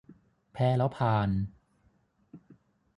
แพ้แล้วพาล